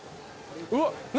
うわっ何？